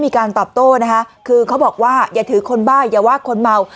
มีการตอบโต้นะคะคือเขาบอกว่าอย่าถือคนบ้าอย่าว่าคนเมา